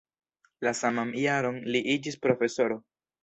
La saman jaron li iĝis profesoro.